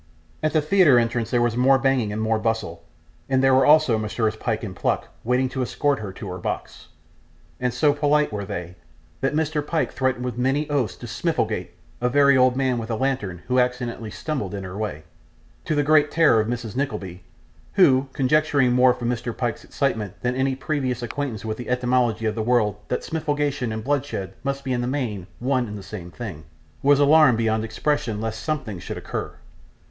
At the theatre entrance there was more banging and more bustle, and there were also Messrs Pyke and Pluck waiting to escort her to her box; and so polite were they, that Mr. Pyke threatened with many oaths to 'smifligate' a very old man with a lantern who accidentally stumbled in her way to the great terror of Mrs. Nickleby, who, conjecturing more from Mr. Pyke's excitement than any previous acquaintance with the etymology of the word that smifligation and bloodshed must be in the main one and the same thing, was alarmed beyond expression, lest something should occur.